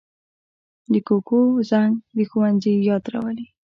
د کوکو زنګ د ښوونځي یاد راولي